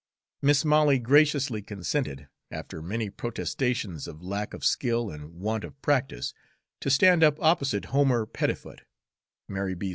Mis' Molly graciously consented, after many protestations of lack of skill and want of practice, to stand up opposite Homer Pettifoot, Mary B.'